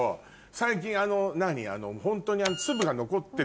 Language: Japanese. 最近あのホントに。